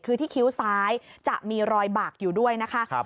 คือที่คิ้วซ้ายจะมีรอยบากอยู่ด้วยนะคะ